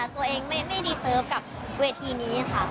ตัวเองไม่ดีเซิร์ฟกับเวทีนี้ค่ะ